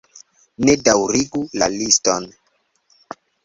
Ne daŭrigu la liston!